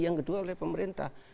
yang kedua oleh pemerintah